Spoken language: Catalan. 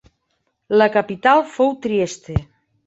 La capital fou Trieste.